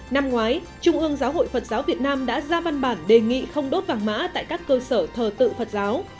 năm ngoái trung ương giáo hội phật giáo việt nam đã ra văn bản đề nghị không đốt vàng mã tại các cơ sở thờ tự phật giáo